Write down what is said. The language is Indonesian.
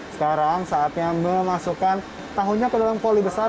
sekarang saatnya memasukkan tahunya ke dalam voli besar